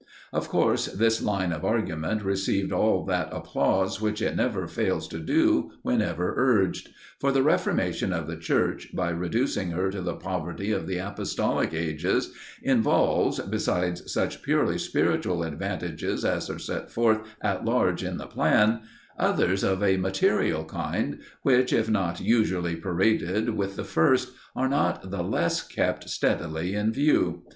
Of course, this line of argument received all that applause which it never fails to do whenever urged. For the reformation of the Church, by reducing her to the poverty of the apostolic ages, involves, besides such purely spiritual advantages as are set forth at large in the plan, others of a material kind, which, if not usually paraded with the first, are not the less kept steadily in view.